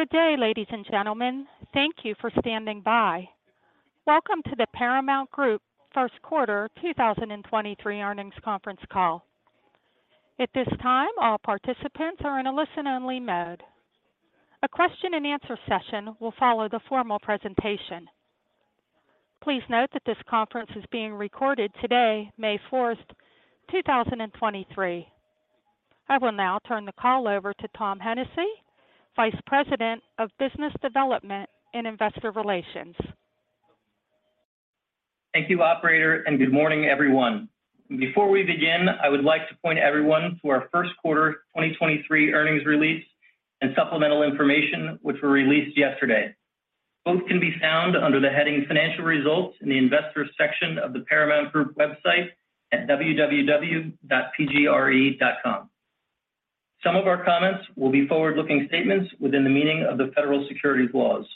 Good day, ladies and gentlemen. Thank you for standing by. Welcome to the Paramount Group First Quarter 2023 Earnings Conference Call. At this time, all participants are in a listen-only mode. A question and answer session will follow the formal presentation. Please note that this conference is being recorded today, May 4, 2023. I will now turn the call over to Tom Hennessey, Vice President of Business Development and Investor Relations. Thank you, operator. Good morning, everyone. Before we begin, I would like to point everyone to our first quarter 2023 earnings release and supplemental information, which were released yesterday. Both can be found under the heading Financial Results in the Investors section of the Paramount Group website at www.pgre.com. Some of our comments will be forward-looking statements within the meaning of the federal securities laws.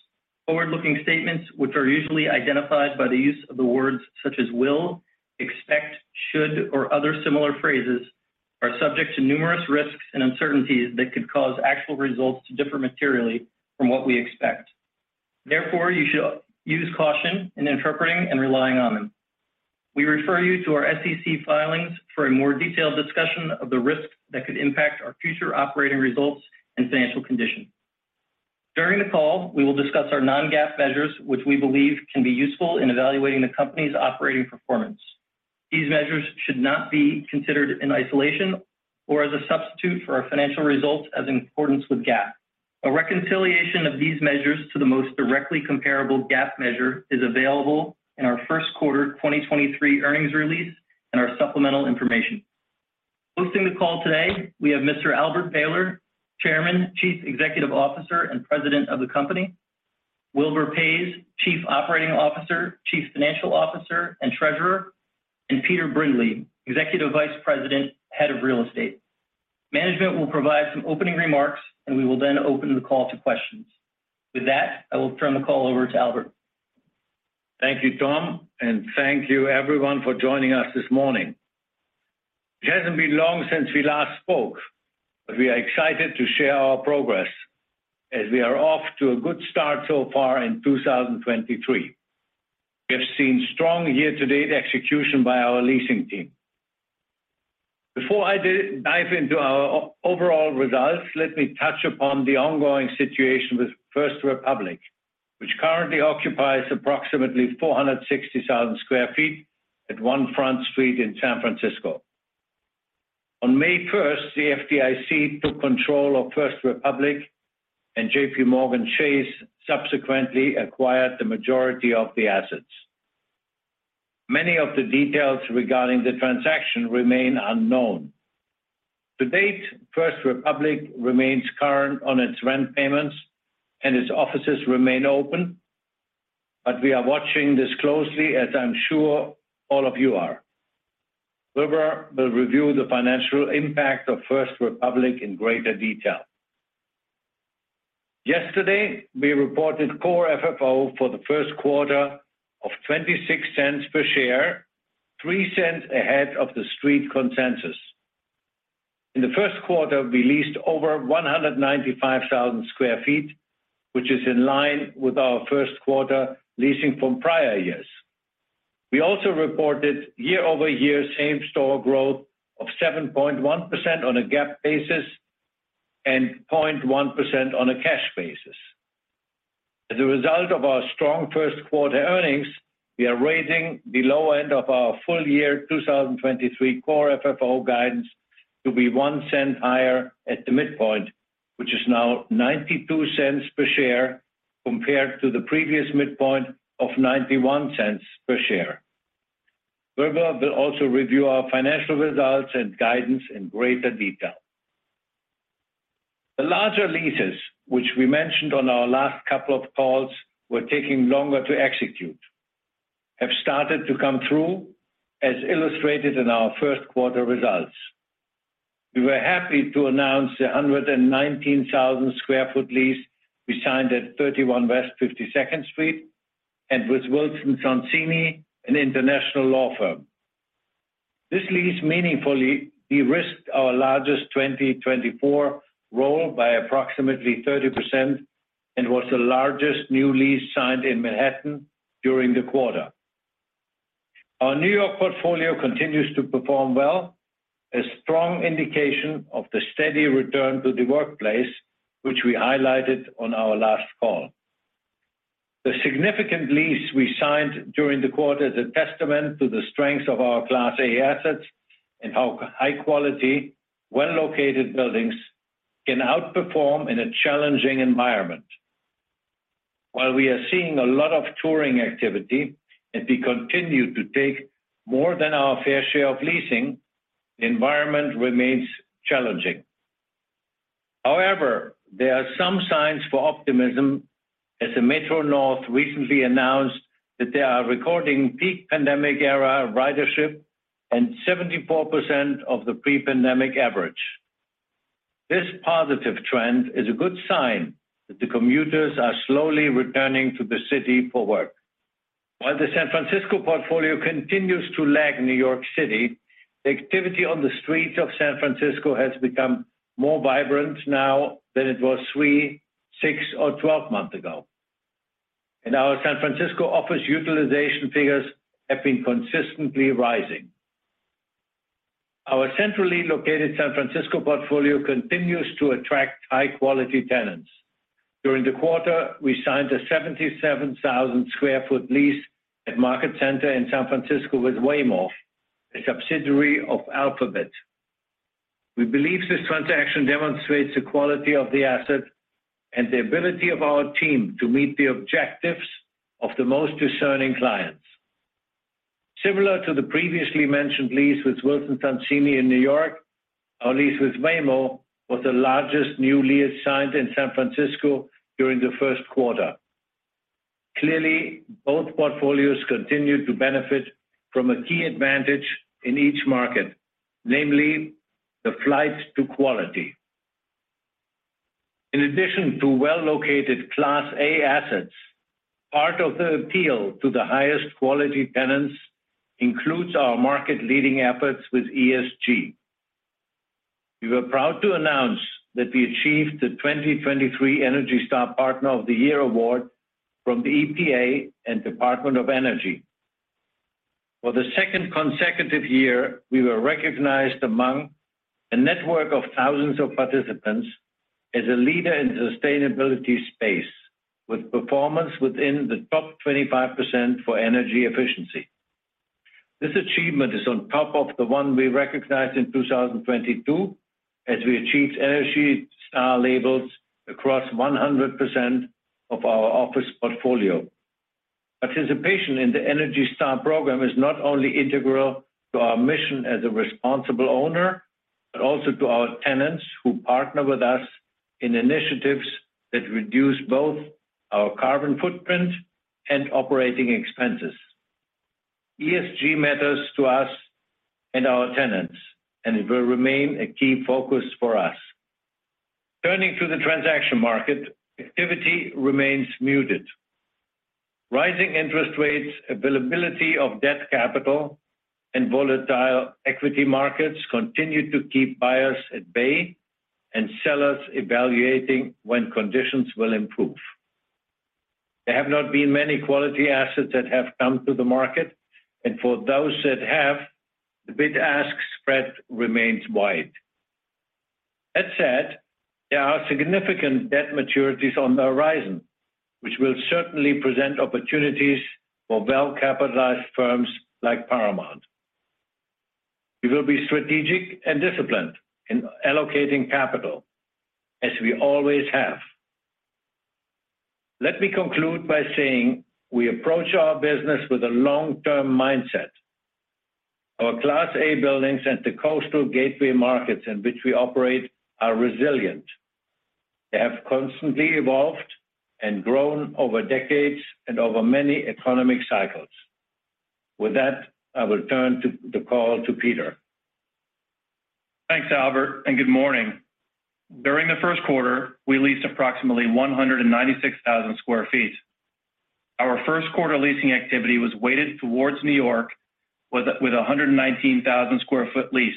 Forward-looking statements, which are usually identified by the use of the words such as will, expect, should, or other similar phrases, are subject to numerous risks and uncertainties that could cause actual results to differ materially from what we expect. Therefore, you should use caution in interpreting and relying on them. We refer you to our SEC filings for a more detailed discussion of the risks that could impact our future operating results and financial condition. During the call, we will discuss our non-GAAP measures, which we believe can be useful in evaluating the company's operating performance. These measures should not be considered in isolation or as a substitute for our financial results as in accordance with GAAP. A reconciliation of these measures to the most directly comparable GAAP measure is available in our first quarter 2023 earnings release and our supplemental information. Hosting the call today, we have Mr. Albert Behler, Chairman, Chief Executive Officer, and President of the company, Wilbur Paes, Chief Operating Officer, Chief Financial Officer, and Treasurer, and Peter Brindley, Executive Vice President, Head of Real Estate. Management will provide some opening remarks. We will then open the call to questions. With that, I will turn the call over to Albert. Thank you, Tom, and thank you everyone for joining us this morning. It hasn't been long since we last spoke, but we are excited to share our progress as we are off to a good start so far in 2023. We have seen strong year-to-date execution by our leasing team. Before I dive into our overall results, let me touch upon the ongoing situation with First Republic, which currently occupies approximately 460,000 sq ft at One Front Street in San Francisco. On May 1st, the FDIC took control of First Republic, and JPMorgan Chase subsequently acquired the majority of the assets. Many of the details regarding the transaction remain unknown. To date, First Republic remains current on its rent payments and its offices remain open, but we are watching this closely, as I'm sure all of you are. Wilbur will review the financial impact of First Republic in greater detail. Yesterday, we reported Core FFO for the first quarter of $0.26 per share, $0.03 ahead of the Street consensus. In the first quarter, we leased over 195,000 sq ft, which is in line with our first quarter leasing from prior years. We also reported year-over-year same-store growth of 7.1% on a GAAP basis and 0.1% on a cash basis. As a result of our strong first quarter earnings, we are raising the low end of our full year 2023 Core FFO guidance to be $0.01 higher at the midpoint, which is now $0.92 per share compared to the previous midpoint of $0.91 per share. Wilbur will also review our financial results and guidance in greater detail. The larger leases, which we mentioned on our last couple of calls were taking longer to execute, have started to come through, as illustrated in our first quarter results. We were happy to announce the 119,000 sq ft lease we signed at 31 West 52nd Street and with Wilson Sonsini, an international law firm. This lease meaningfully de-risked our largest 2024 roll by approximately 30% and was the largest new lease signed in Manhattan during the quarter. Our New York portfolio continues to perform well, a strong indication of the steady return to the workplace, which we highlighted on our last call. The significant lease we signed during the quarter is a testament to the strength of our Class A assets and how high-quality, well-located buildings can outperform in a challenging environment. While we are seeing a lot of touring activity, as we continue to take more than our fair share of leasing, the environment remains challenging. However, there are some signs for optimism as the Metro-North recently announced that they are recording peak pandemic-era ridership and 74% of the pre-pandemic average. This positive trend is a good sign that the commuters are slowly returning to the city for work. While the San Francisco portfolio continues to lag New York City, the activity on the streets of San Francisco has become more vibrant now than it was 3, 6 or 12 months ago. Our San Francisco office utilization figures have been consistently rising. Our centrally located San Francisco portfolio continues to attract high quality tenants. During the quarter, we signed a 77,000 sq ft lease at Market Center in San Francisco with Waymo, a subsidiary of Alphabet. We believe this transaction demonstrates the quality of the asset and the ability of our team to meet the objectives of the most discerning clients. Similar to the previously mentioned lease with Wilson Sonsini in New York, our lease with Waymo was the largest new lease signed in San Francisco during the first quarter. Both portfolios continue to benefit from a key advantage in each market, namely the flight to quality. In addition to well located Class A assets, part of the appeal to the highest quality tenants includes our market leading efforts with ESG. We were proud to announce that we achieved the 2023 Energy Star Partner of the Year award from the EPA and Department of Energy. For the second consecutive year, we were recognized among a network of thousands of participants as a leader in sustainability space with performance within the top 25% for energy efficiency. This achievement is on top of the one we recognized in 2022 as we achieved Energy Star labels across 100% of our office portfolio. Participation in the Energy Star program is not only integral to our mission as a responsible owner, but also to our tenants who partner with us in initiatives that reduce both our carbon footprint and operating expenses. ESG matters to us and our tenants. It will remain a key focus for us. Turning to the transaction market, activity remains muted. Rising interest rates, availability of debt capital and volatile equity markets continue to keep buyers at bay and sellers evaluating when conditions will improve. There have not been many quality assets that have come to the market, and for those that have, the bid-ask spread remains wide. That said, there are significant debt maturities on the horizon, which will certainly present opportunities for well-capitalized firms like Paramount. We will be strategic and disciplined in allocating capital, as we always have. Let me conclude by saying we approach our business with a long-term mindset. Our Class A buildings and the coastal gateway markets in which we operate are resilient. They have constantly evolved and grown over decades and over many economic cycles. With that, I will turn to the call to Peter. Thanks, Albert. Good morning. During the first quarter, we leased approximately 196,000 sq ft. Our first quarter leasing activity was weighted towards New York with a 119,000 sq ft lease,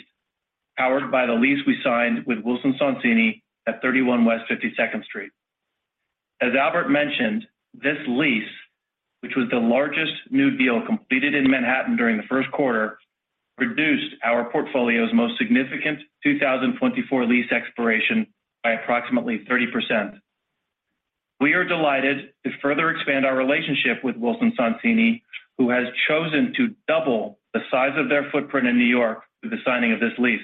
powered by the lease we signed with Wilson Sonsini at 31 West 52nd Street. As Albert mentioned, this lease, which was the largest new deal completed in Manhattan during the first quarter, reduced our portfolio's most significant 2024 lease expiration by approximately 30%. We are delighted to further expand our relationship with Wilson Sonsini, who has chosen to double the size of their footprint in New York with the signing of this lease.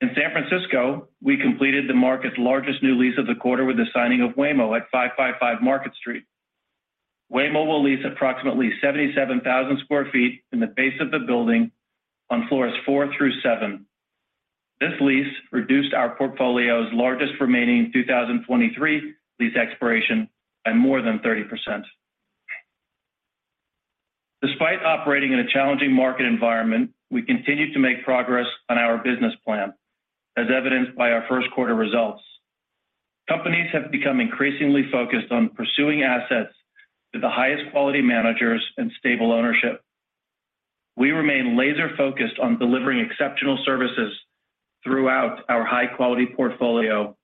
In San Francisco, we completed the market's largest new lease of the quarter with the signing of Waymo at 555 Market Street. Waymo will lease approximately 77,000 sq ft in the base of the building on floors 4 through 7. This lease reduced our portfolio's largest remaining 2023 lease expiration by more than 30%. Despite operating in a challenging market environment, we continue to make progress on our business plan, as evidenced by our first quarter results. Companies have become increasingly focused on pursuing assets with the highest quality managers and stable ownership. We remain laser-focused on delivering exceptional services throughout our high quality portfolio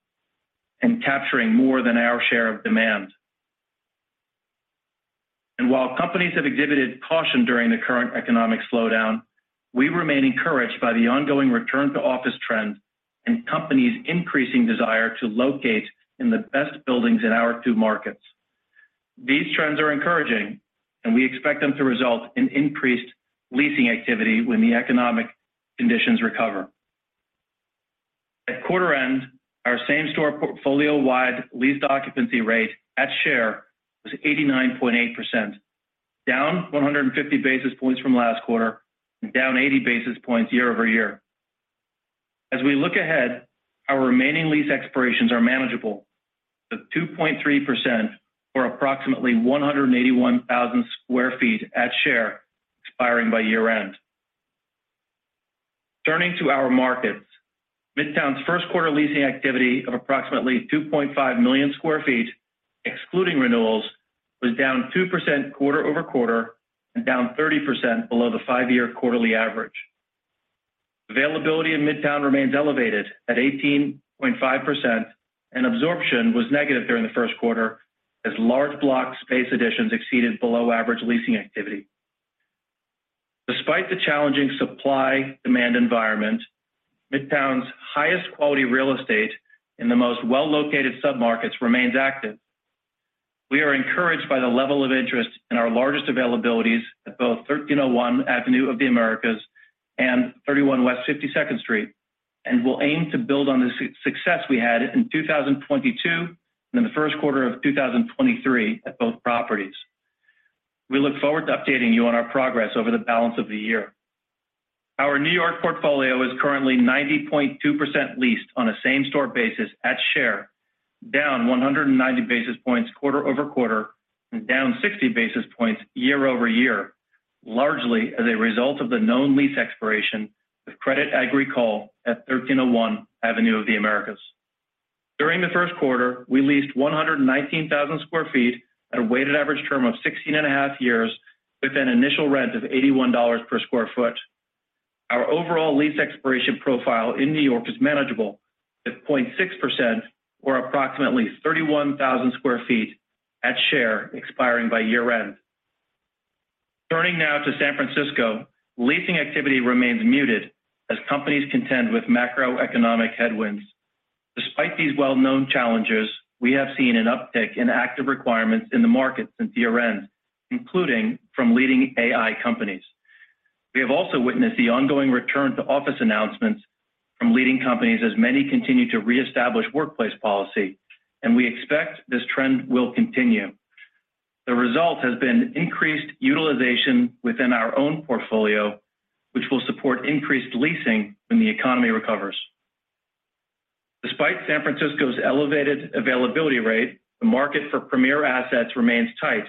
and capturing more than our share of demand. While companies have exhibited caution during the current economic slowdown, we remain encouraged by the ongoing return to office trend and companies increasing desire to locate in the best buildings in our two markets. These trends are encouraging, we expect them to result in increased leasing activity when the economic conditions recover. At quarter end, our same-store portfolio wide leased occupancy rate at Share was 89.8%, down 150 basis points from last quarter and down 80 basis points year-over-year. As we look ahead, our remaining lease expirations are manageable, with 2.3% or approximately 181,000 sq ft at Share expiring by year end. Turning to our markets. Midtown's first quarter leasing activity of approximately 2.5 million sq ft, excluding renewals, was down 2% quarter-over-quarter and down 30% below the 5-year quarterly average. Availability in Midtown remains elevated at 18.5%. Absorption was negative during the first quarter as large block space additions exceeded below average leasing activity. Despite the challenging supply-demand environment, Midtown's highest quality real estate in the most well-located submarkets remains active. We are encouraged by the level of interest in our largest availabilities at both 1301, Avenue of the Americas, and 31 West 52nd Street, and we'll aim to build on the success we had in 2022 and in the first quarter of 2023 at both properties. We look forward to updating you on our progress over the balance of the year. Our New York portfolio is currently 90.2% leased on a same-store basis at share, down 190 basis points quarter-over-quarter and down 60 basis points year-over-year, largely as a result of the known lease expiration with Crédit Agricole at 1301, Avenue of the Americas. During the first quarter, we leased 119,000 sq ft at a weighted average term of 16 and a half years with an initial rent of $81 per sq ft. Our overall lease expiration profile in New York is manageable at 0.6% or approximately 31,000 sq ft at share expiring by year-end. Turning now to San Francisco, leasing activity remains muted as companies contend with macroeconomic headwinds. Despite these well-known challenges, we have seen an uptick in active requirements in the market since year-end, including from leading AI companies. We have also witnessed the ongoing return to office announcements from leading companies as many continue to reestablish workplace policy. We expect this trend will continue. The result has been increased utilization within our own portfolio, which will support increased leasing when the economy recovers. Despite San Francisco's elevated availability rate, the market for premier assets remains tight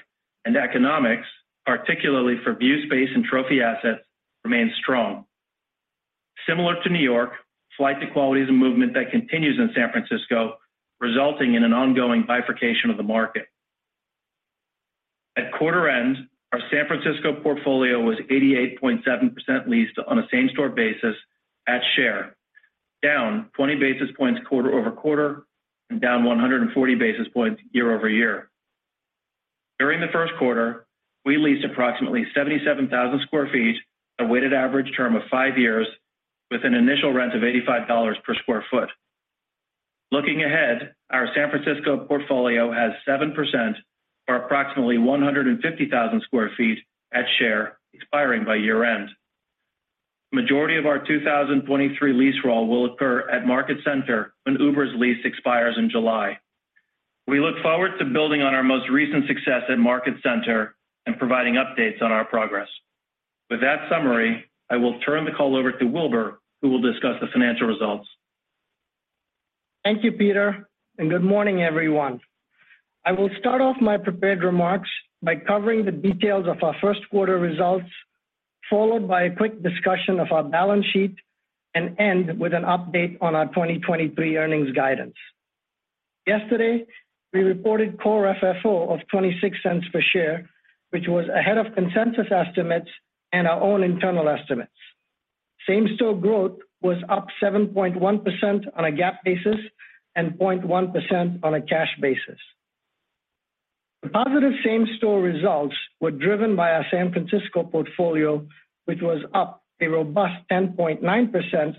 and economics, particularly for view space and trophy assets, remains strong. Similar to New York, flight to quality is a movement that continues in San Francisco, resulting in an ongoing bifurcation of the market. At quarter end, our San Francisco portfolio was 88.7% leased on a same-store basis at share, down 20 basis points quarter-over-quarter and down 140 basis points year-over-year. During the first quarter, we leased approximately 77,000 sq ft, a weighted average term of 5 years with an initial rent of $85 per square foot. Looking ahead, our San Francisco portfolio has 7% or approximately 150,000 sq ft at share expiring by year-end. Majority of our 2023 lease roll will occur at Market Center when Uber's lease expires in July. We look forward to building on our most recent success at Market Center and providing updates on our progress. With that summary, I will turn the call over to Wilbur, who will discuss the financial results. Thank you, Peter. Good morning, everyone. I will start off my prepared remarks by covering the details of our first quarter results, followed by a quick discussion of our balance sheet, and end with an update on our 2023 earnings guidance. Yesterday, we reported Core FFO of $0.26 per share, which was ahead of consensus estimates and our own internal estimates. Same-store growth was up 7.1% on a GAAP basis and 0.1% on a cash basis. The positive Same-store results were driven by our San Francisco portfolio, which was up a robust 10.9%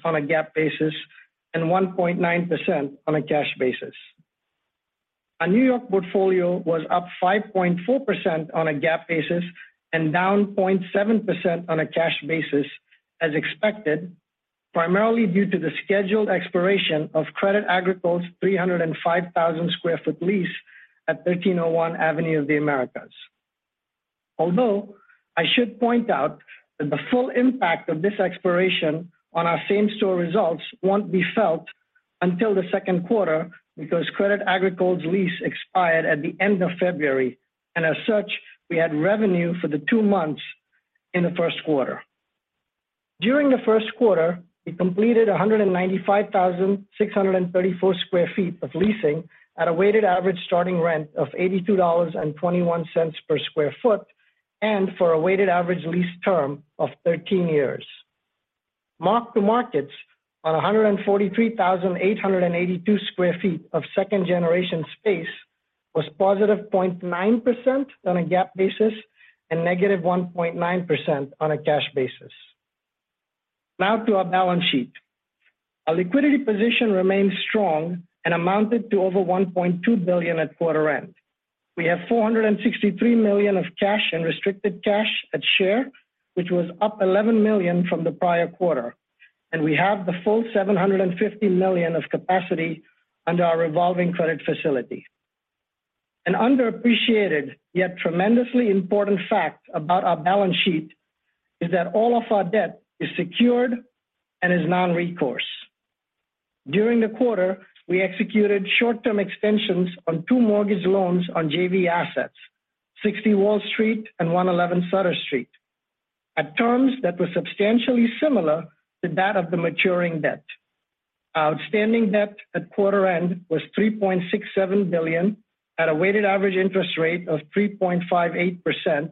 on a GAAP basis and 1.9% on a cash basis. Our New York portfolio was up 5.4% on a GAAP basis and down 0.7% on a cash basis as expected, primarily due to the scheduled expiration of Crédit Agricole's 305,000 sq ft lease at 1301 Avenue of the Americas. I should point out that the full impact of this expiration on our same-store results won't be felt until the second quarter because Crédit Agricole's lease expired at the end of February. As such, we had revenue for the two months in the first quarter. During the first quarter, we completed 195,634 sq ft of leasing at a weighted average starting rent of $82.21 per square foot and for a weighted average lease term of 13 years. Mark-to-market on 143,882 sq ft of second-generation space was +0.9% on a GAAP basis and -1.9% on a cash basis. Now to our balance sheet. Our liquidity position remains strong and amounted to over $1.2 billion at quarter end. We have $463 million of cash and restricted cash at share, which was up $11 million from the prior quarter, and we have the full $750 million of capacity under our revolving credit facility. An underappreciated yet tremendously important fact about our balance sheet is that all of our debt is secured and is non-recourse. During the quarter, we executed short-term extensions on 2 mortgage loans on JV assets, Sixty Wall Street and One Eleven Sutter Street, at terms that were substantially similar to that of the maturing debt. Our outstanding debt at quarter end was $3.67 billion at a weighted average interest rate of 3.58%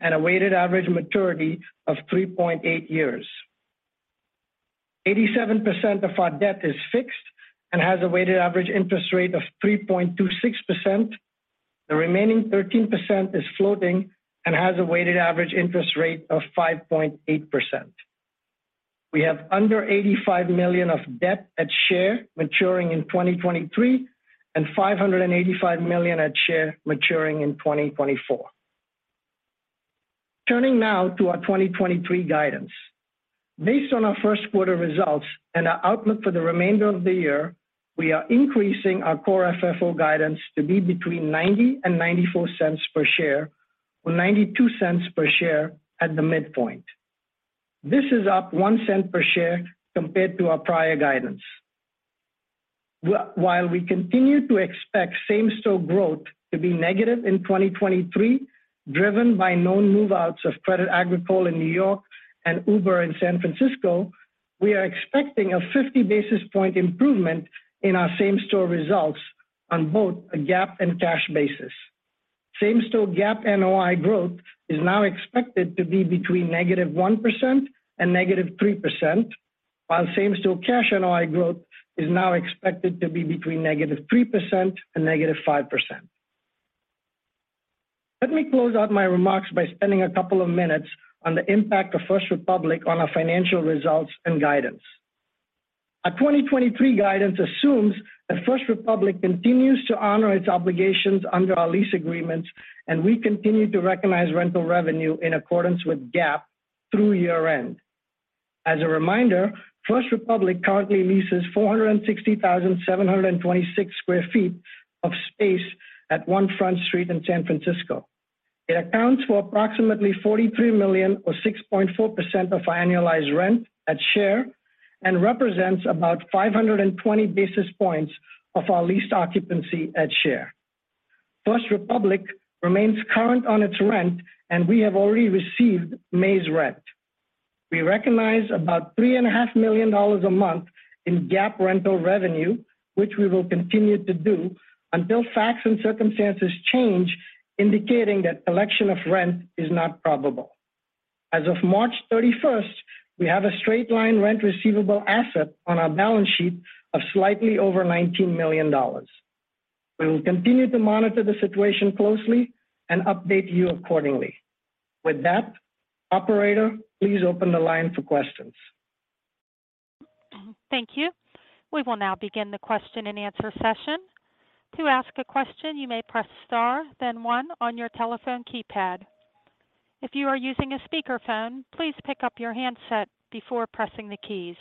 and a weighted average maturity of 3.8 years. 87% of our debt is fixed and has a weighted average interest rate of 3.26%. The remaining 13% is floating and has a weighted average interest rate of 5.8%. We have under $85 million of debt at share maturing in 2023 and $585 million at share maturing in 2024. Turning now to our 2023 guidance. Based on our first quarter results and our outlook for the remainder of the year, we are increasing our Core FFO guidance to be between $0.90 and $0.94 per share, or $0.92 per share at the midpoint. This is up $0.01 per share compared to our prior guidance. While we continue to expect same-store growth to be negative in 2023, driven by known move-outs of Crédit Agricole in New York and Uber in San Francisco, we are expecting a 50 basis point improvement in our same-store results on both a GAAP and cash basis. Same-store GAAP NOI growth is now expected to be between negative 1% and negative 3%, while same-store cash NOI growth is now expected to be between negative 3% and negative 5%. Let me close out my remarks by spending a couple of minutes on the impact of First Republic on our financial results and guidance. Our 2023 guidance assumes that First Republic continues to honor its obligations under our lease agreements, and we continue to recognize rental revenue in accordance with GAAP through year-end. As a reminder, First Republic currently leases 460,726 sq ft of space at One Front Street in San Francisco. It accounts for approximately $43 million or 6.4% of our annualized rent at share and represents about 520 basis points of our leased occupancy at share. First Republic remains current on its rent. We have already received May's rent. We recognize about three and a half million dollars a month in GAAP rental revenue, which we will continue to do until facts and circumstances change, indicating that collection of rent is not probable. As of March 31st, we have a straight-line rent receivable asset on our balance sheet of slightly over $19 million. We will continue to monitor the situation closely and update you accordingly. With that, operator, please open the line for questions. Thank you. We will now begin the question and answer session. To ask a question, you may press star then one on your telephone keypad. If you are using a speakerphone, please pick up your handset before pressing the keys.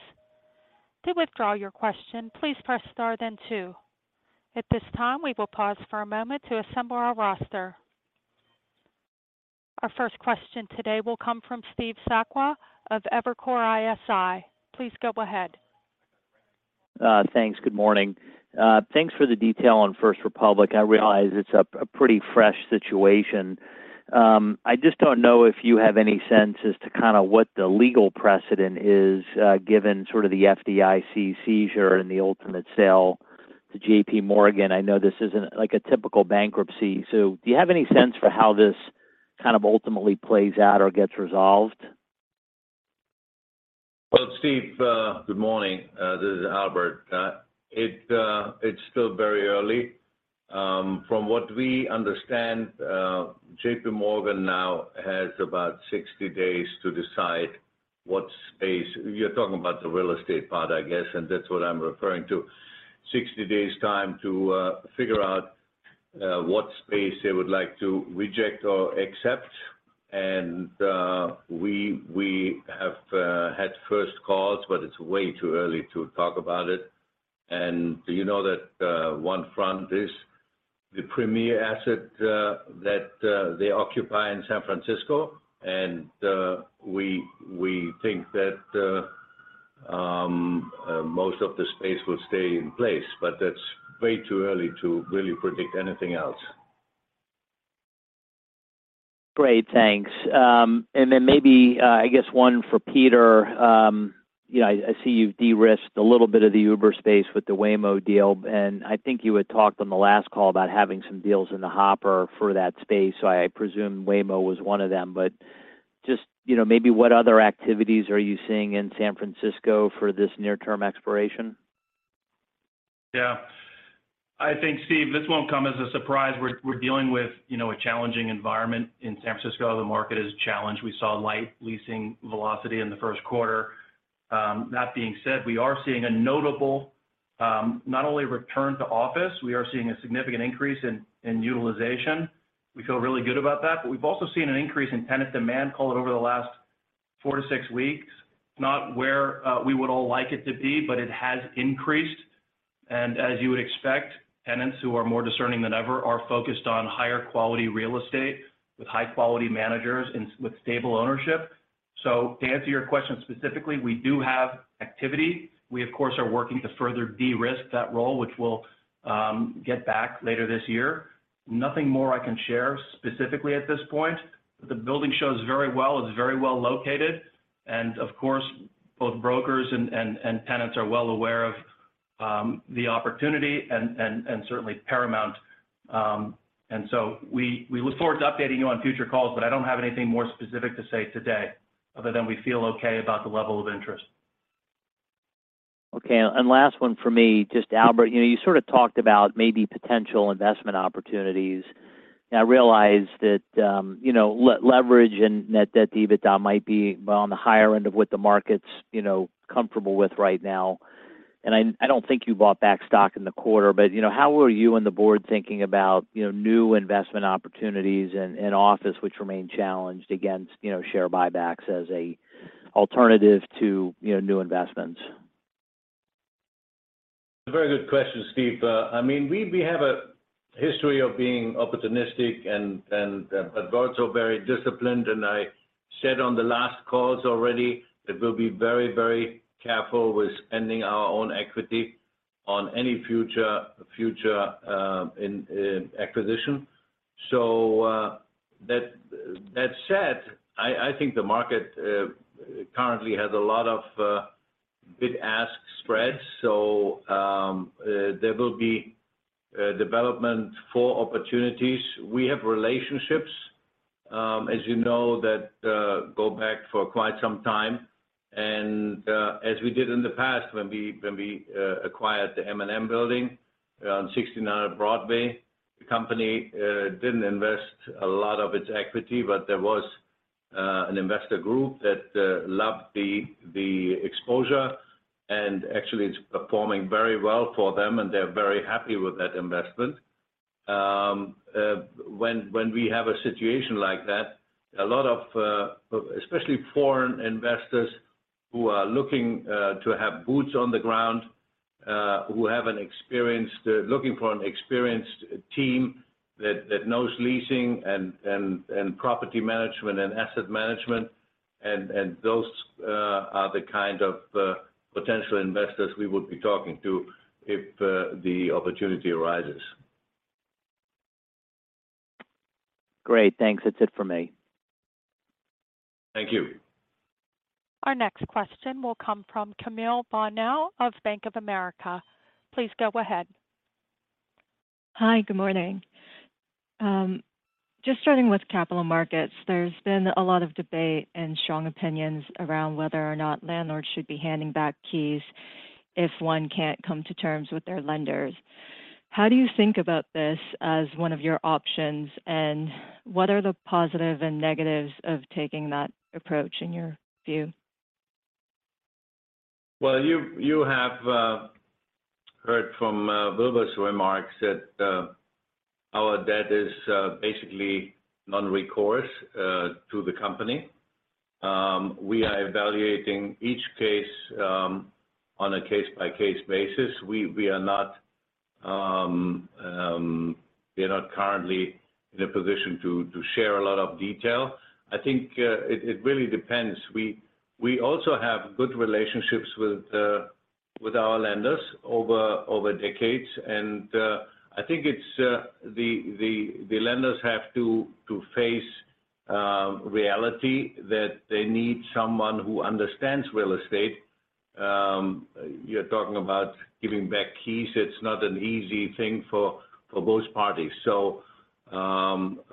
To withdraw your question, please press star then two. At this time, we will pause for a moment to assemble our roster. Our first question today will come from Steve Sakwa of Evercore ISI. Please go ahead. Thanks. Good morning. Thanks for the detail on First Republic. I realize it's a pretty fresh situation. I just don't know if you have any sense as to kinda what the legal precedent is, given sort of the FDIC seizure and the ultimate sale to JP Morgan. I know this isn't like a typical bankruptcy. Do you have any sense for how this kind of ultimately plays out or gets resolved? Well, Steve, good morning. This is Albert. It's still very early. From what we understand, JP Morgan now has about 60 days to decide what space... You're talking about the real estate part, I guess, and that's what I'm referring to. 60 days time to figure out what space they would like to reject or accept. We have had first calls, but it's way too early to talk about it. Do you know that One Front is the premier asset that they occupy in San Francisco? We think that most of the space will stay in place, but it's way too early to really predict anything else. Great. Thanks. Maybe, I guess one for Peter. You know, I see you've de-risked a little bit of the Uber space with the Waymo deal, and I think you had talked on the last call about having some deals in the hopper for that space. I presume Waymo was one of them. Just, you know, maybe what other activities are you seeing in San Francisco for this near-term exploration? Yeah. I think, Steve, this won't come as a surprise. We're dealing with, you know, a challenging environment in San Francisco. The market is challenged. We saw light leasing velocity in the first quarter. That being said, we are seeing a notable, not only return to office, we are seeing a significant increase in utilization. We feel really good about that. We've also seen an increase in tenant demand call it over the last 4 to 6 weeks. It's not where we would all like it to be, it has increased. As you would expect, tenants who are more discerning than ever are focused on higher quality real estate with high quality managers and with stable ownership. To answer your question specifically, we do have activity. We of course, are working to further de-risk that role, which we'll get back later this year. Nothing more I can share specifically at this point. The building shows very well. It's very well located. Of course, both brokers and tenants are well aware of the opportunity and certainly Paramount. So we look forward to updating you on future calls, but I don't have anything more specific to say today other than we feel okay about the level of interest. Last one for me, just Albert, you know, you sort of talked about maybe potential investment opportunities. I realize that, you know, leverage and net debt to EBITDA might be on the higher end of what the market's, you know, comfortable with right now. I don't think you bought back stock in the quarter. How are you and the board thinking about, you know, new investment opportunities in office which remain challenged against, you know, share buybacks as an alternative to, you know, new investments? Very good question, Steve. I mean, we have a history of being opportunistic and, but also very disciplined. I said on the last calls already that we'll be very careful with spending our own equity on any future in acquisition. That said, I think the market currently has a lot of bid-ask spreads. There will be development for opportunities. We have relationships, as you know, that go back for quite some time. As we did in the past when we acquired the 1633 Broadway on 69 Broadway, the company didn't invest a lot of its equity, but there was an investor group that loved the exposure. Actually it's performing very well for them, and they're very happy with that investment. When we have a situation like that, a lot of especially foreign investors who are looking to have boots on the ground, who have an experienced team that knows leasing and property management and asset management. Those are the kind of potential investors we would be talking to if the opportunity arises. Great. Thanks. That's it for me. Thank you. Our next question will come from Camille Bonin of Bank of America. Please go ahead. Hi. Good morning. Just starting with capital markets, there's been a lot of debate and strong opinions around whether or not landlords should be handing back keys if one can't come to terms with their lenders. How do you think about this as one of your options? What are the positive and negatives of taking that approach in your view? You have heard from Wilbur's remarks that our debt is basically non-recourse to the company. We are evaluating each case on a case-by-case basis. We are not currently in a position to share a lot of detail. I think it really depends. We also have good relationships with our lenders over decades. I think it's the lenders have to face reality that they need someone who understands real estate. You're talking about giving back keys. It's not an easy thing for both parties.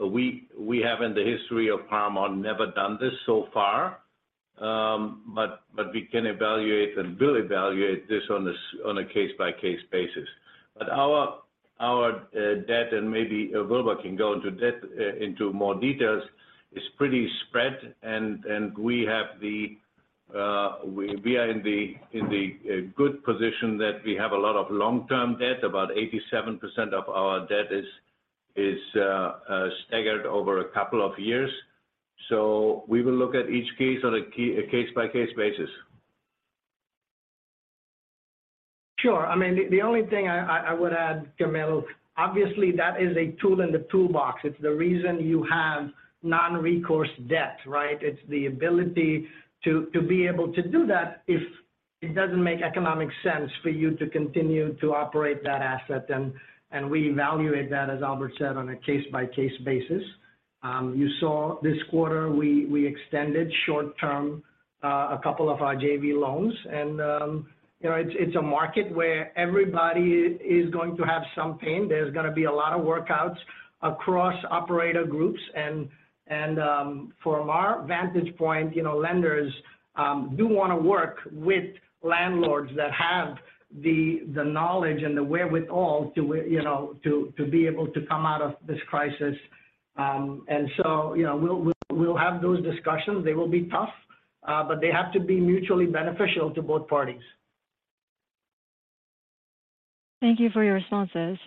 We have in the history of Paramount never done this so far. We can evaluate and will evaluate this on a case-by-case basis. Our debt, maybe Wilbur can go into debt, into more details, is pretty spread. We are in the good position that we have a lot of long-term debt. About 87% of our debt is staggered over a couple of years. We will look at each case on a case-by-case basis. Sure. I mean, the only thing I would add, Camille, obviously that is a tool in the toolbox. It's the reason you have non-recourse debt, right? It's the ability to be able to do that if it doesn't make economic sense for you to continue to operate that asset. We evaluate that, as Albert said, on a case-by-case basis. You saw this quarter, we extended short term a couple of our JV loans. You know, it's a market where everybody is going to have some pain. There's gonna be a lot of workouts across operator groups. From our vantage point, you know, lenders do wanna work with landlords that have the knowledge and the wherewithal to, you know, to be able to come out of this crisis. You know, we'll have those discussions. They will be tough, but they have to be mutually beneficial to both parties. Thank you for your responses.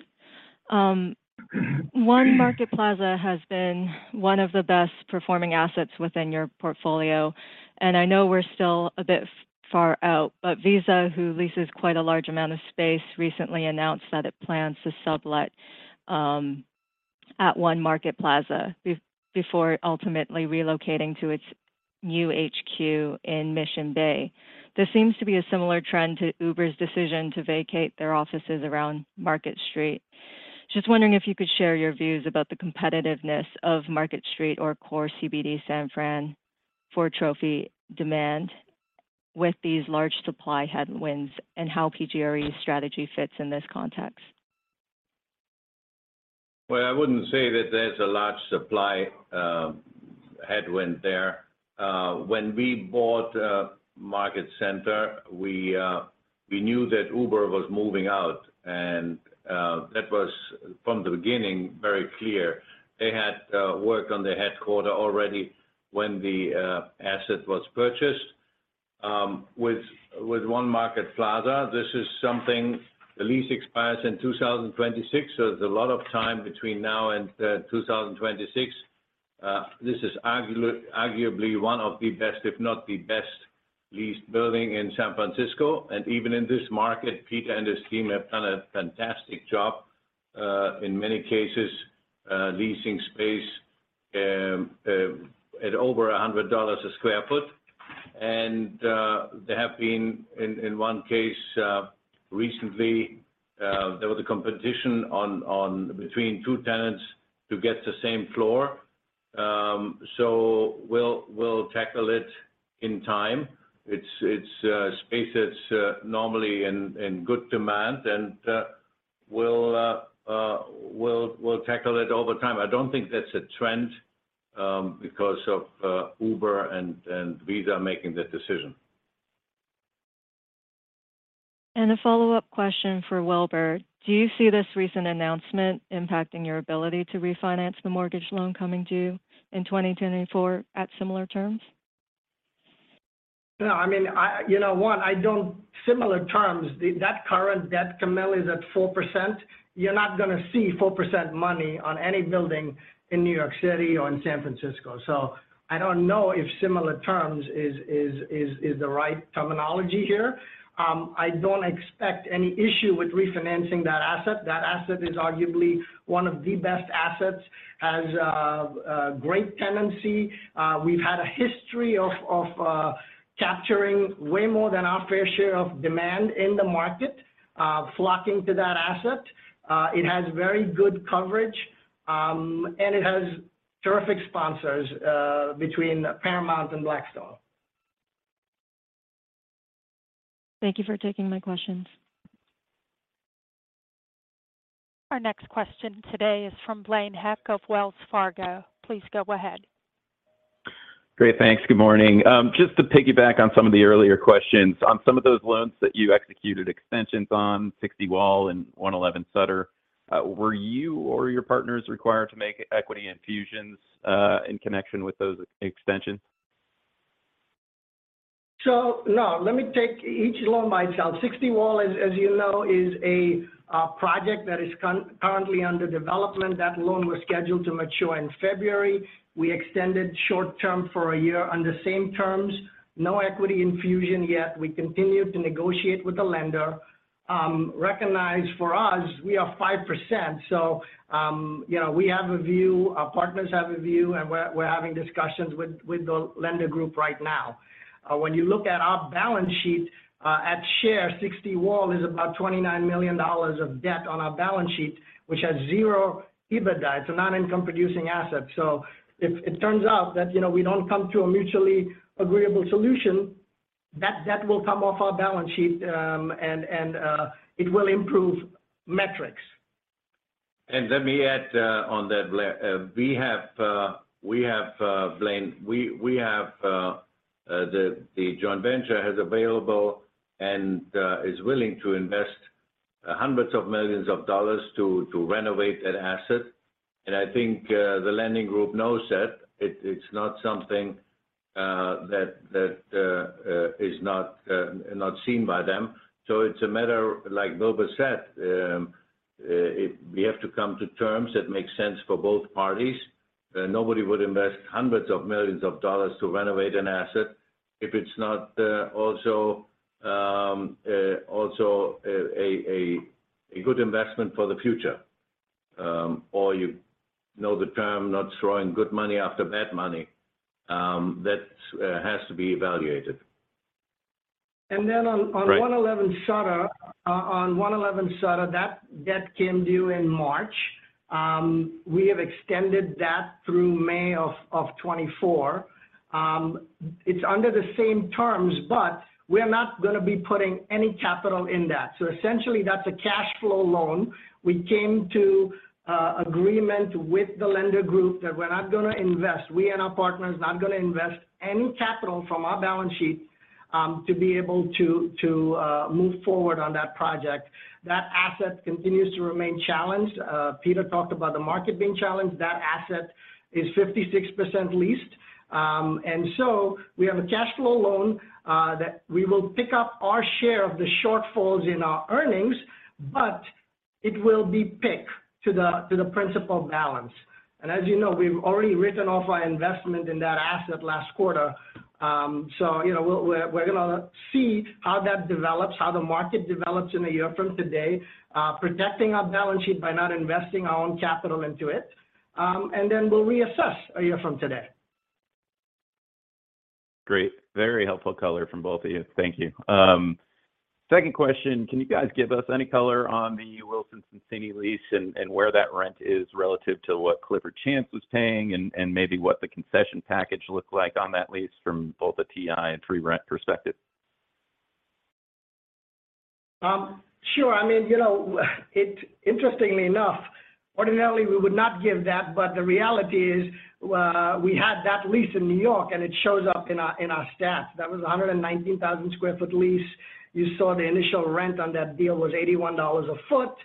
One Market Plaza has been one of the best-performing assets within your portfolio. I know we're still a bit far out, but Visa, who leases quite a large amount of space, recently announced that it plans to sublet at One Market Plaza before ultimately relocating to its new HQ in Mission Bay. There seems to be a similar trend to Uber's decision to vacate their offices around Market Street. Just wondering if you could share your views about the competitiveness of Market Street or core CBD San Fran for trophy demand with these large supply headwinds, and how PGRE's strategy fits in this context. Well, I wouldn't say that there's a large supply headwind there. When we bought Market Center, we knew that Uber was moving out, and that was, from the beginning, very clear. They had worked on their headquarter already when the asset was purchased. With One Market Plaza, this is something the lease expires in 2026, so there's a lot of time between now and 2026. This is arguably one of the best, if not the best leased building in San Francisco. Even in this market, Peter and his team have done a fantastic job, in many cases, leasing space, at over $100 a square foot. There have been in one case recently there was a competition on between 2 tenants to get the same floor. We'll tackle it in time. It's space that's normally in good demand, and we'll tackle it over time. I don't think that's a trend because of Uber and Visa making that decision. A follow-up question for Wilbur. Do you see this recent announcement impacting your ability to refinance the mortgage loan coming due in 2024 at similar terms? No, Similar terms, that current debt commel is at 4%. You're not gonna see 4% money on any building in New York City or in San Francisco. I don't know if similar terms is the right terminology here. I don't expect any issue with refinancing that asset. That asset is arguably one of the best assets. Has great tenancy. We've had a history of capturing way more than our fair share of demand in the market, flocking to that asset. It has very good coverage, and it has terrific sponsors, between Paramount and Blackstone. Thank you for taking my questions. Our next question today is from Blaine Heck of Wells Fargo. Please go ahead. Great. Thanks. Good morning. Just to piggyback on some of the earlier questions. On some of those loans that you executed extensions on, Sixty Wall and 111 Sutter, were you or your partners required to make equity infusions in connection with those extensions? No, let me take each loan by itself. Sixty Wall, as you know, is a project that is currently under development. That loan was scheduled to mature in February. We extended short-term for a year on the same terms. No equity infusion yet. We continue to negotiate with the lender. Recognize for us, we are 5%, you know, we have a view, our partners have a view, and we're having discussions with the lender group right now. When you look at our balance sheet, at share, Sixty Wall is about $29 million of debt on our balance sheet, which has zero EBITDA, it's a non-income producing asset. If it turns out that, you know, we don't come to a mutually agreeable solution, that debt will come off our balance sheet, and it will improve metrics. Let me add on that, Blaine, we have the joint venture has available and is willing to invest hundreds of millions of dollars to renovate that asset. I think the lending group knows that. It's not something that is not seen by them. It's a matter, like Wilbert said, we have to come to terms that make sense for both parties. Nobody would invest hundreds of millions of dollars to renovate an asset if it's not also a good investment for the future. You know the term, not throwing good money after bad money. That has to be evaluated. And then on- Right on One Eleven Sutter. On One Eleven Sutter, that debt came due in March. We have extended that through May of 2024. It's under the same terms, but we're not gonna be putting any capital in that. Essentially, that's a cash flow loan. We came to agreement with the lender group that we're not gonna invest. We and our partners are not gonna invest any capital from our balance sheets to be able to move forward on that project. That asset continues to remain challenged. Peter talked about the market being challenged. That asset is 56% leased. We have a cash flow loan that we will pick up our share of the shortfalls in our earnings, but it will be picked to the principal balance. As you know, we've already written off our investment in that asset last quarter. You know, we're gonna see how that develops, how the market develops in a year from today, protecting our balance sheet by not investing our own capital into it, then we'll reassess a year from today. Great. Very helpful color from both of you. Thank you. Second question, can you guys give us any color on the Wilson Sonsini lease and where that rent is relative to what Clifford Chance was paying and maybe what the concession package looked like on that lease from both a TI and free rent perspective? Sure. I mean, you know, Interestingly enough, ordinarily we would not give that, the reality is, we had that lease in New York, and it shows up in our stats. That was a 119,000 square foot lease. You saw the initial rent on that deal was $81 a foot.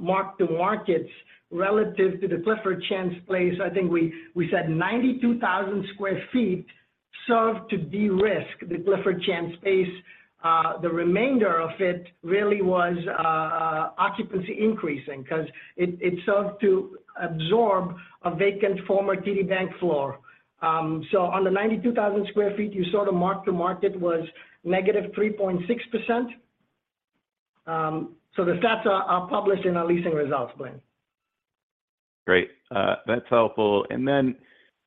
Mark-to-markets relative to the Clifford Chance place, I think we said 92,000 square feet served to de-risk the Clifford Chance space. The remainder of it really was occupancy increasing 'cause it served to absorb a vacant former TD Bank floor. On the 92,000 square feet, you saw the mark-to-market was -3.6%. The stats are published in our leasing results, Glenn. Great. That's helpful.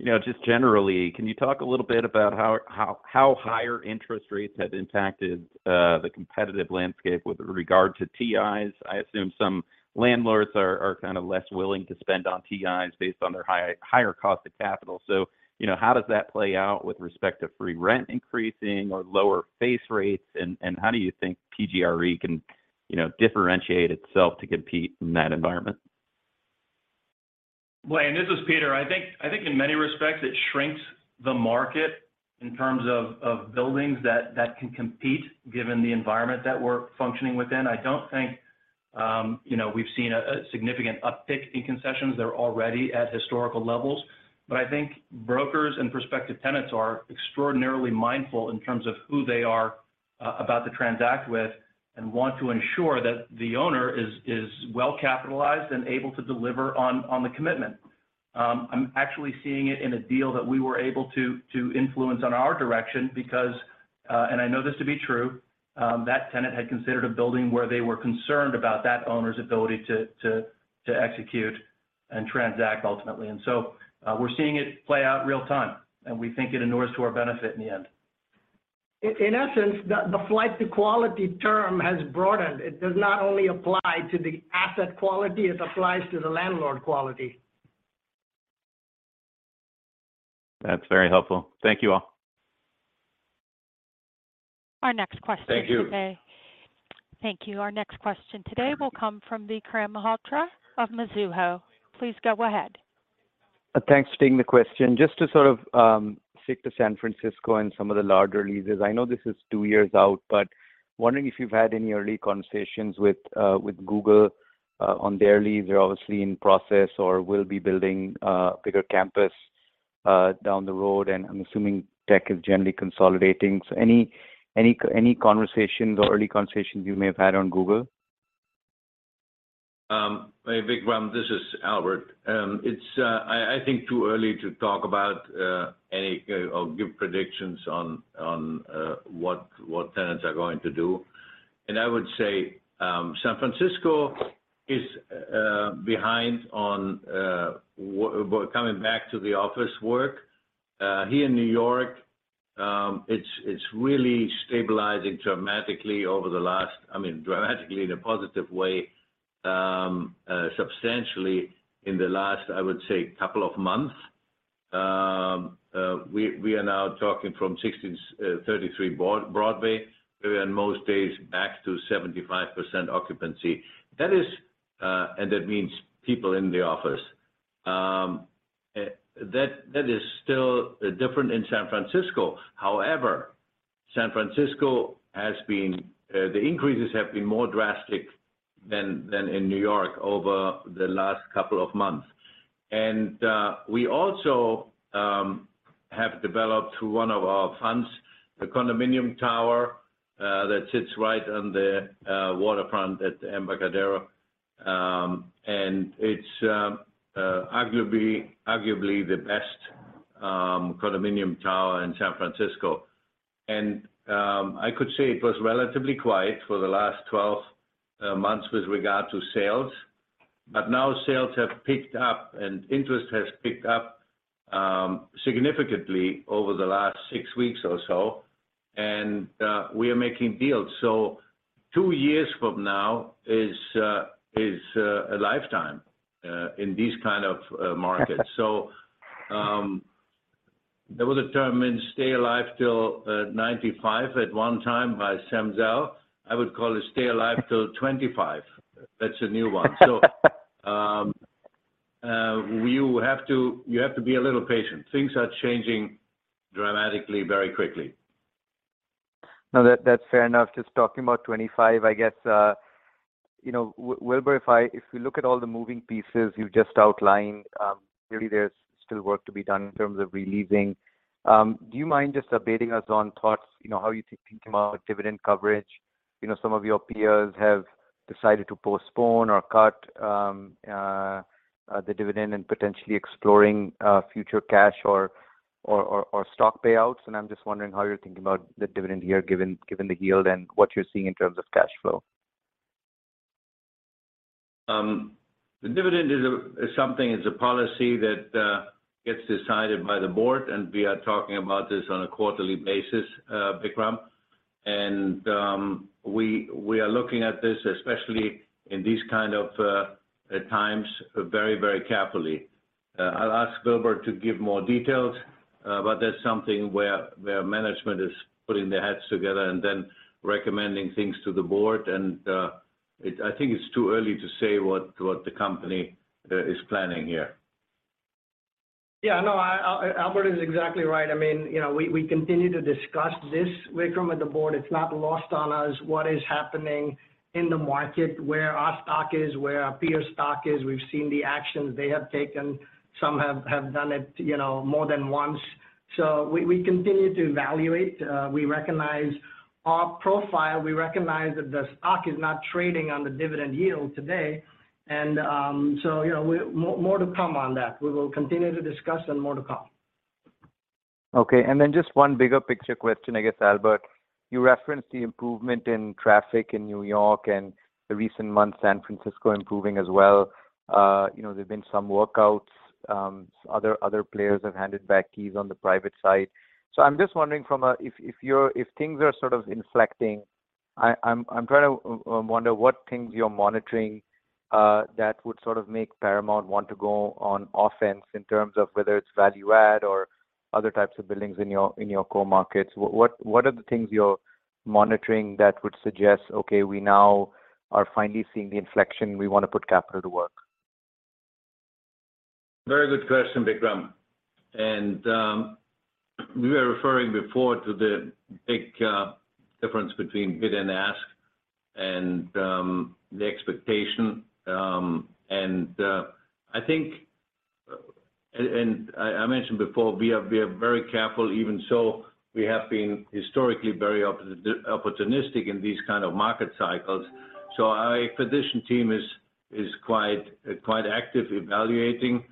You know, just generally, can you talk a little bit about how higher interest rates have impacted the competitive landscape with regard to TIs? I assume some landlords are kind of less willing to spend on TIs based on their higher cost of capital. You know, how does that play out with respect to free rent increasing or lower face rates, and how do you think PGRE can, you know, differentiate itself to compete in that environment? Glenn, this is Peter. I think in many respects it shrinks the market in terms of buildings that can compete, given the environment that we're functioning within. I don't think, you know, we've seen a significant uptick in concessions. They're already at historical levels. I think brokers and prospective tenants are extraordinarily mindful in terms of who they are about to transact with and want to ensure that the owner is well capitalized and able to deliver on the commitment. I'm actually seeing it in a deal that we were able to influence on our direction because, and I know this to be true, that tenant had considered a building where they were concerned about that owner's ability to execute and transact ultimately. We're seeing it play out real time, and we think it inures to our benefit in the end. In essence, the flight to quality term has broadened. It does not only apply to the asset quality, it applies to the landlord quality. That's very helpful. Thank you, all. Our next question? Thank you. Thank you. Our next question today will come from Vikram Malhotra of Mizuho. Please go ahead. Thanks for taking the question. Just to sort of stick to San Francisco and some of the larger leases, I know this is 2 years out, wondering if you've had any early conversations with Google on their lease. They're obviously in process or will be building a bigger campus down the road, I'm assuming tech is generally consolidating. Any conversations or early conversations you may have had on Google? Hey Vikram, this is Albert. It's, I think too early to talk about any or give predictions on what tenants are going to do. I would say, San Francisco is behind on well, coming back to the office work. Here in New York, it's really stabilizing dramatically over the last. I mean, dramatically in a positive way, substantially in the last, I would say, couple of months. We are now talking from 1633 Broadway, we are on most days back to 75% occupancy. That is, and that means people in the office. That is still different in San Francisco. However, San Francisco has been, the increases have been more drastic than in New York over the last couple of months. We also have developed through one of our funds, a condominium tower that sits right on the waterfront at the Embarcadero, and it's arguably the best condominium tower in San Francisco. I could say it was relatively quiet for the last 12 months with regard to sales. Now sales have picked up and interest has picked up significantly over the last 6 weeks or so, and we are making deals. 2 years from now is a lifetime in these kind of markets. There was a term in stay alive 'til 95 at one time by Sam Zell. I would call it stay alive till 25. That's a new one. You have to be a little patient. Things are changing dramatically very quickly. No, that's fair enough. Just talking about 25, I guess, you know, Wilbur, if we look at all the moving pieces you've just outlined, really there's still work to be done in terms of re-leasing. Do you mind just updating us on thoughts, you know, how you think about dividend coverage? You know, some of your peers have decided to postpone or cut the dividend and potentially exploring future cash or stock payouts. I'm just wondering how you're thinking about the dividend here, given the yield and what you're seeing in terms of cash flow. The dividend is something, it's a policy that gets decided by the Board. We are talking about this on a quarterly basis, Vikram. We are looking at this, especially in these kind of times very, very carefully. I'll ask Wilbur to give more details, but that's something where management is putting their heads together and then recommending things to the Board. I think it's too early to say what the company is planning here. Yeah, no, I Albert is exactly right. I mean, you know, we continue to discuss this, Vikram, with the board. It's not lost on us what is happening in the market, where our stock is, where our peer stock is. We've seen the actions they have taken. Some have done it, you know, more than once. We continue to evaluate. We recognize our profile. We recognize that the stock is not trading on the dividend yield today. You know, more to come on that. We will continue to discuss and more to come. Okay. Just one bigger picture question, I guess, Albert. You referenced the improvement in traffic in New York and the recent months San Francisco improving as well. You know, there have been some workouts, other players have handed back keys on the private side. I'm just wondering if things are sort of inflecting, I'm trying to wonder what things you're monitoring that would sort of make Paramount want to go on offense in terms of whether it's value add or other types of buildings in your, in your core markets. What, what are the things you're monitoring that would suggest, okay, we now are finally seeing the inflection, we want to put capital to work? Very good question, Vikram. We were referring before to the big difference between bid and ask and the expectation. I mentioned before, we are very careful. Even so, we have been historically very opportunistic in these kind of market cycles. Our acquisition team is quite active evaluating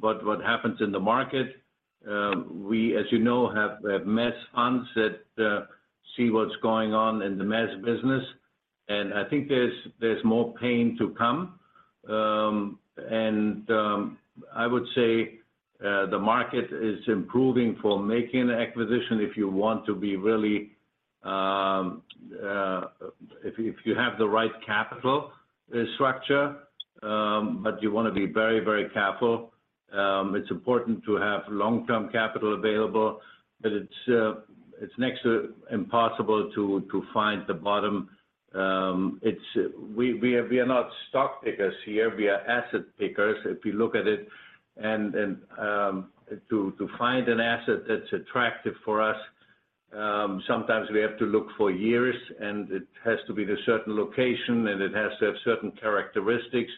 what happens in the market. We, as you know, have mezz funds that see what's going on in the mezz business. I think there's more pain to come. I would say the market is improving for making an acquisition if you want to be really. If you have the right capital structure, but you want to be very, very careful. It's important to have long-term capital available, but it's next to impossible to find the bottom. We are not stock pickers here, we are asset pickers. If you look at it and, to find an asset that's attractive for us, sometimes we have to look for years, and it has to be in a certain location, and it has to have certain characteristics,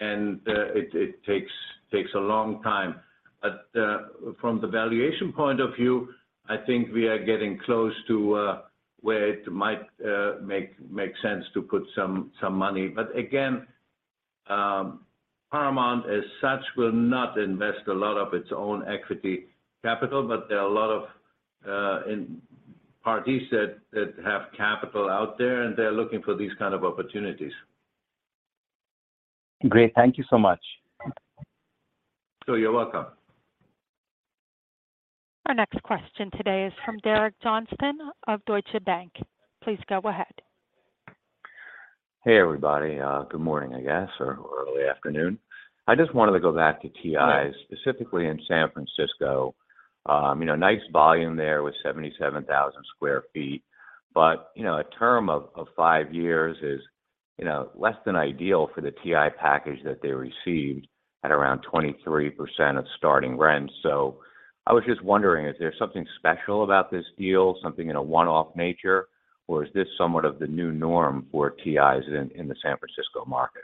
and it takes a long time. From the valuation point of view, I think we are getting close to where it might make sense to put some money. Again, Paramount as such will not invest a lot of its own equity capital. There are a lot of parties that have capital out there. They're looking for these kind of opportunities. Great. Thank you so much. You're welcome. Our next question today is from Derek Johnston of Deutsche Bank. Please go ahead. Hey, everybody. Good morning, I guess, or early afternoon. I just wanted to go back to TIs, specifically in San Francisco. You know, nice volume there with 77,000 sq ft. You know, a term of 5 years is, you know, less than ideal for the TI package that they received at around 23% of starting rent. I was just wondering, is there something special about this deal, something in a one-off nature, or is this somewhat of the new norm for TIs in the San Francisco market?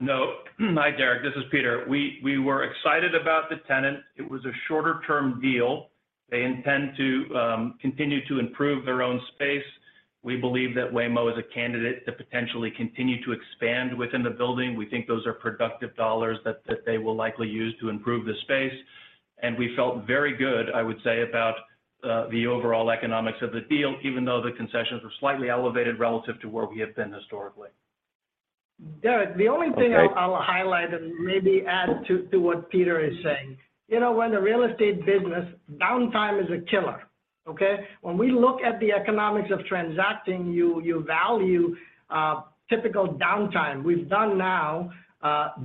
No. Hi, Derek, this is Peter. We were excited about the tenant. It was a shorter-term deal. They intend to continue to improve their own space. We believe that Waymo is a candidate to potentially continue to expand within the building. We think those are productive dollars that they will likely use to improve the space. We felt very good, I would say, about the overall economics of the deal, even though the concessions were slightly elevated relative to where we have been historically. Derek, the only thing I'll highlight and maybe add to what Peter is saying. You know, when the real estate business, downtime is a killer, okay? When we look at the economics of transacting, you value typical downtime. We've done now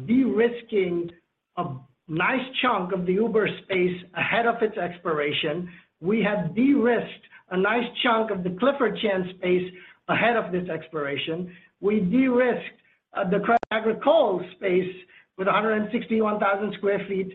de-risking a nice chunk of the Uber space ahead of its expiration. We have de-risked a nice chunk of the Clifford Chance space ahead of this expiration. We de-risked the Crédit Agricole space with 161,000 sq ft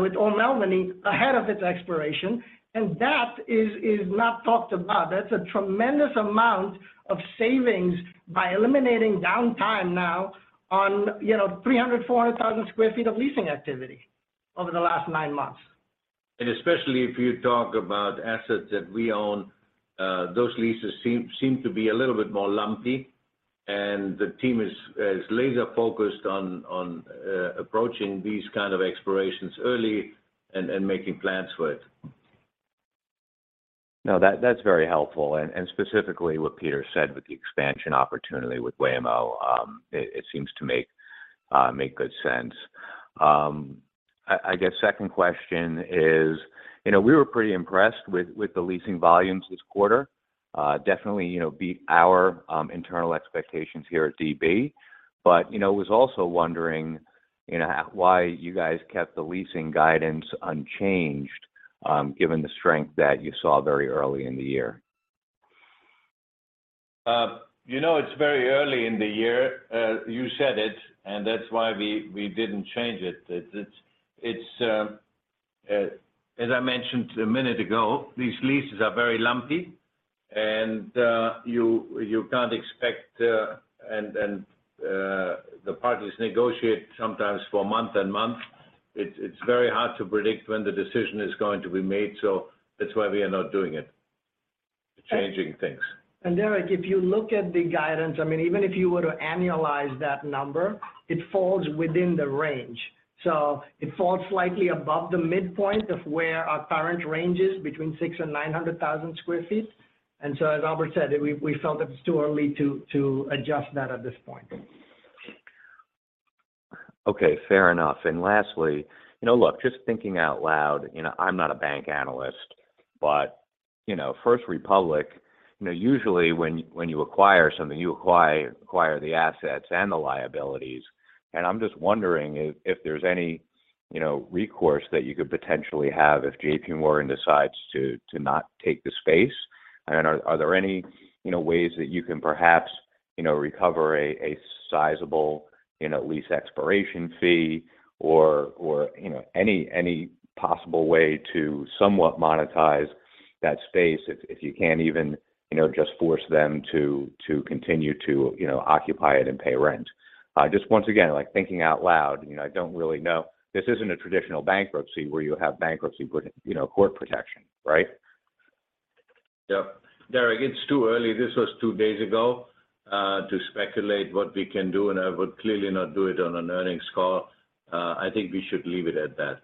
with O'Melveny ahead of its expiration. That is not talked about. That's a tremendous amount of savings by eliminating downtime now on, you know, 300,000-400,000 sq ft of leasing activity over the last nine months. Especially if you talk about assets that we own, those leases seem to be a little bit more lumpy, and the team is laser focused on approaching these kind of expirations early and making plans for it. No, that's very helpful. Specifically what Peter said with the expansion opportunity with Waymo, it seems to make good sense. I guess second question is, you know, we were pretty impressed with the leasing volumes this quarter. Definitely, you know, beat our internal expectations here at DB. You know, was also wondering, you know, why you guys kept the leasing guidance unchanged, given the strength that you saw very early in the year. You know, it's very early in the year, you said it, and that's why we didn't change it. It's, as I mentioned a minute ago, these leases are very lumpy, and you can't expect. The parties negotiate sometimes for month and month. It's very hard to predict when the decision is going to be made, so that's why we are not doing it, changing things. Derek, if you look at the guidance, I mean, even if you were to annualize that number, it falls within the range. It falls slightly above the midpoint of where our current range is between 600,000 and 900,000 sq ft. As Albert said, we felt it was too early to adjust that at this point. Okay. Fair enough. Lastly, you know, look, just thinking out loud, you know, I'm not a bank analyst, but, you know, First Republic, you know, usually when you acquire something, you acquire the assets and the liabilities, and I'm just wondering if there's any, you know, recourse that you could potentially have if JP Morgan decides to not take the space. Are there any, you know, ways that you can perhaps, you know, recover a sizable, you know, lease expiration fee or, you know, any possible way to somewhat monetize that space if you can't even, you know, just force them to continue to, you know, occupy it and pay rent? just once again, like, thinking out loud, you know, I don't really know. This isn't a traditional bankruptcy where you have bankruptcy you know, court protection, right? Yep. Derek, it's too early, this was two days ago, to speculate what we can do, and I would clearly not do it on an earnings call. I think we should leave it at that.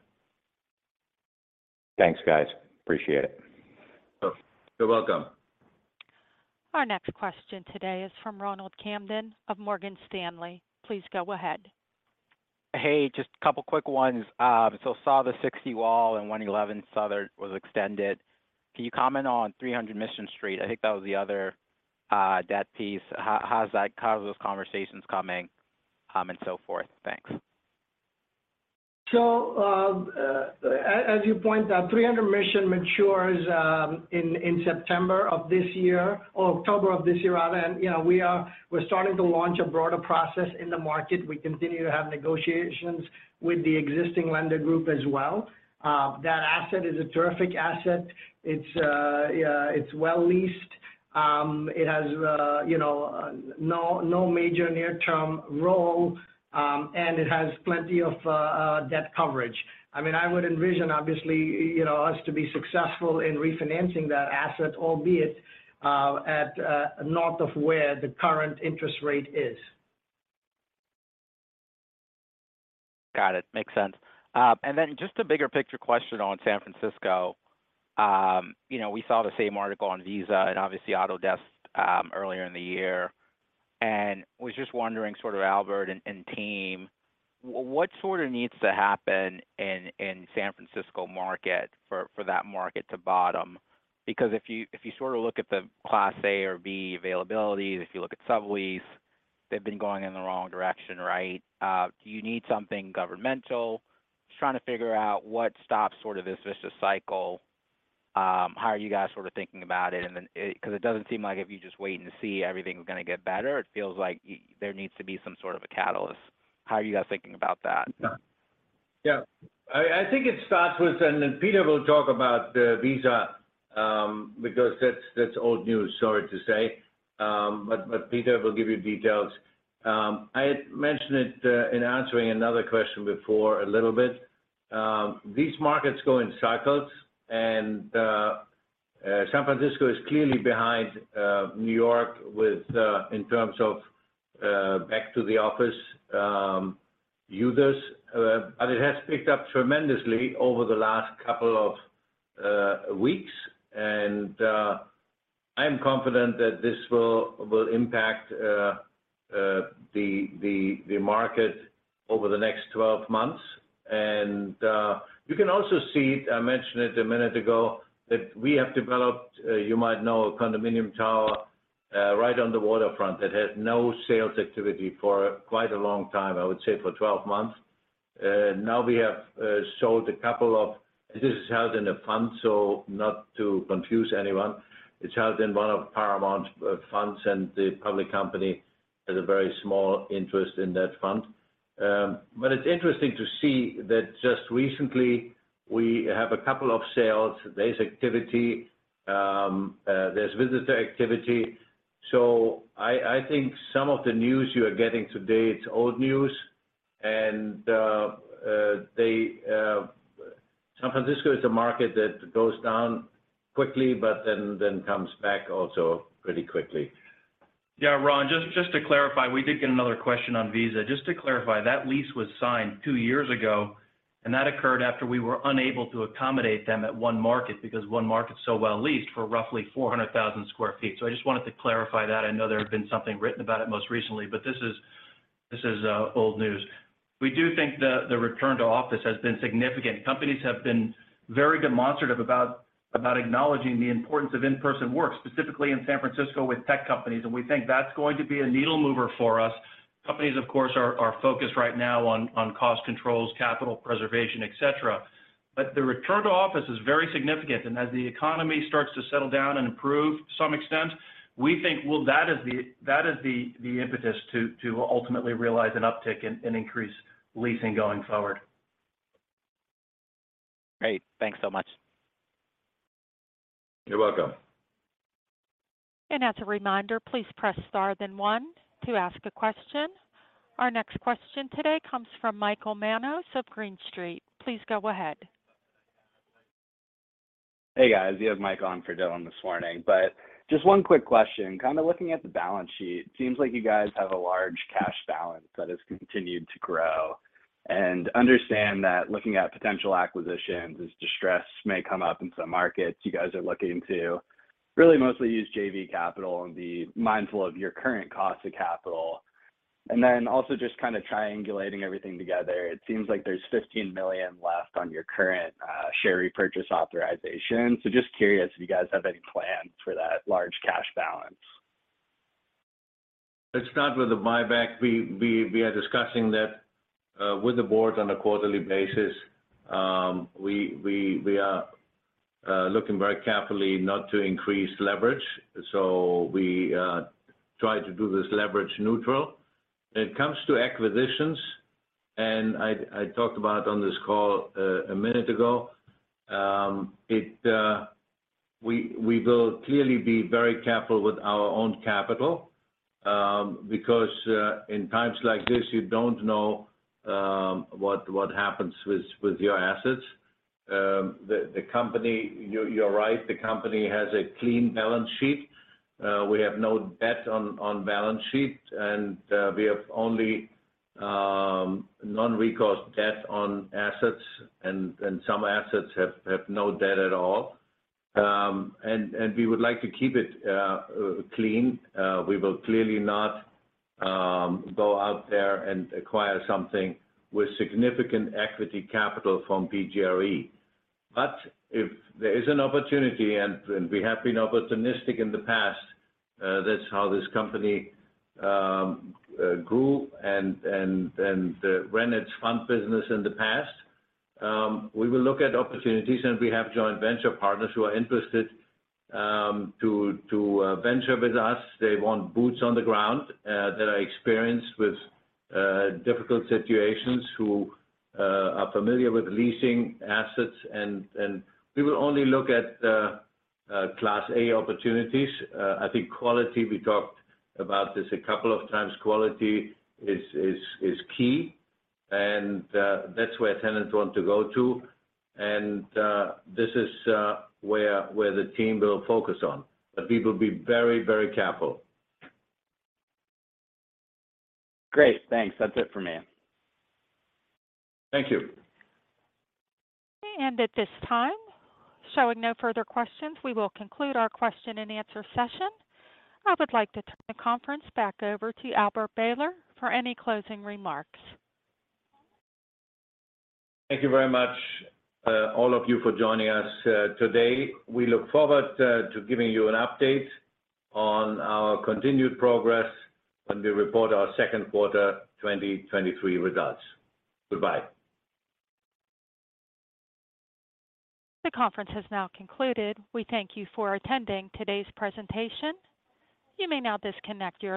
Thanks, guys. Appreciate it. You're welcome. Our next question today is from Ronald Kamdem of Morgan Stanley. Please go ahead. Hey, just a couple quick ones. Saw the 60 Wall and 111 Southern was extended. Can you comment on 300 Mission Street? I think that was the other debt piece. How are those conversations coming and so forth? Thanks. As you point, that 300 Mission matures in September of this year or October of this year rather. You know, we're starting to launch a broader process in the market. We continue to have negotiations with the existing lender group as well. That asset is a terrific asset. It's well leased. It has, you know, no major near term role, and it has plenty of debt coverage. I mean, I would envision obviously, you know, us to be successful in refinancing that asset, albeit, at, north of where the current interest rate is. Got it. Makes sense. Just a bigger picture question on San Francisco. You know, we saw the same article on Visa and obviously Autodesk earlier in the year. Was just wondering sort of Albert and team, what sort of needs to happen in San Francisco market for that market to bottom? If you sort of look at the Class A or B availability, if you look at sublease, they've been going in the wrong direction, right? Do you need something governmental? Just trying to figure out what stops sort of this vicious cycle. How are you guys sort of thinking about it? 'Cause it doesn't seem like if you just wait and see, everything's gonna get better. It feels like there needs to be some sort of a catalyst. How are you guys thinking about that? Yeah. I think it starts with... Then Peter will talk about the Visa, because that's old news, sorry to say. Peter will give you details. I had mentioned it in answering another question before a little bit. These markets go in cycles and San Francisco is clearly behind New York with in terms of back to the office users. But it has picked up tremendously over the last couple of weeks. I'm confident that this will impact the market over the next 12 months. You can also see, I mentioned it a minute ago, that we have developed, you might know, a condominium tower, right on the waterfront that had no sales activity for quite a long time, I would say for 12 months. Now we have sold a couple of. This is held in a fund, so not to confuse anyone. It's held in one of Paramount's funds, and the public company has a very small interest in that fund. It's interesting to see that just recently we have a couple of sales. There's activity, there's visitor activity. I think some of the news you are getting today, it's old news. They. San Francisco is a market that goes down quickly, but then comes back also pretty quickly. Yeah, Ron, just to clarify, we did get another question on Visa. Just to clarify, that lease was signed two years ago, and that occurred after we were unable to accommodate them at one market, because one market's so well-leased for roughly 400,000 sq ft. I just wanted to clarify that. I know there had been something written about it most recently, but this is old news. We do think the return to office has been significant. Companies have been very demonstrative about acknowledging the importance of in-person work, specifically in San Francisco with tech companies, we think that's going to be a needle mover for us. Companies, of course, are focused right now on cost controls, capital preservation, et cetera. The return to office is very significant, and as the economy starts to settle down and improve to some extent, we think, well, that is the impetus to ultimately realize an uptick in increased leasing going forward. Great. Thanks so much. You're welcome. As a reminder, please press star then one to ask a question. Our next question today comes from Michael Manos of Green Street. Please go ahead. Hey, guys. You have Mike on for Dylan this morning. Just one quick question. Kinda looking at the balance sheet, seems like you guys have a large cash balance that has continued to grow. Understand that looking at potential acquisitions as distress may come up in some markets you guys are looking to really mostly use JV Capital and be mindful of your current cost to capital. Then also just kinda triangulating everything together, it seems like there's $15 million left on your current share repurchase authorization. Just curious if you guys have any plan for that large cash balance. Let's start with the buyback. We are discussing that with the board on a quarterly basis. We are looking very carefully not to increase leverage. We try to do this leverage neutral. When it comes to acquisitions, and I talked about it on this call a minute ago, we will clearly be very careful with our own capital because in times like this, you don't know what happens with your assets. You're right, the company has a clean balance sheet. We have no debt on balance sheet, and we have only non-recourse debt on assets and some assets have no debt at all. We would like to keep it clean. We will clearly not go out there and acquire something with significant equity capital from PGRE. If there is an opportunity, and we have been opportunistic in the past, that's how this company grew and ran its fund business in the past. We will look at opportunities, and we have joint venture partners who are interested to venture with us. They want boots on the ground that are experienced with difficult situations, who are familiar with leasing assets. We will only look at Class A opportunities. I think quality, we talked about this a couple of times, quality is key. That's where tenants want to go to. This is where the team will focus on. We will be very, very careful. Great. Thanks. That's it for me. Thank you. At this time, showing no further questions, we will conclude our question and answer session. I would like to turn the conference back over to Albert Behler for any closing remarks. Thank you very much, all of you for joining us today. We look forward to giving you an update on our continued progress when we report our second quarter 2023 results. Goodbye. The conference has now concluded. We thank you for attending today's presentation. You may now disconnect your line.